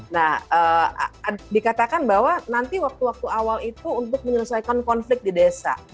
nah dikatakan bahwa nanti waktu waktu awal itu untuk menyelesaikan konflik di desa